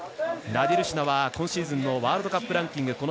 ナディルシナは今シーズンのワールドカップランキング